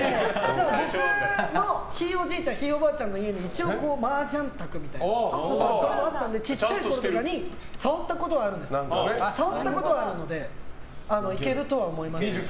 僕のひいおじいちゃんひいおばあちゃんの家に一応、マージャン卓みたいなのがあったので小さいころとかに触ったことはあるのでいけるとは思います。